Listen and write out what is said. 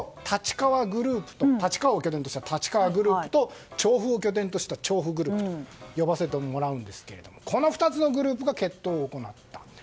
便宜上、立川を拠点とした立川グループと調布を拠点とした調布グループと呼ばせてもらうんですけどこの２つのグループが決闘を行ったと。